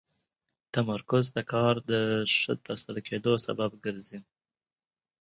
تمرکز د کار د ښه ترسره کېدو سبب ګرځي.